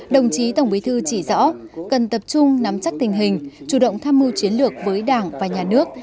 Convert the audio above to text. đồng chí tổng bí thư chỉ rõ cần tập trung nắm chắc tình hình chủ động tham mưu chiến lược với đảng và nhà nước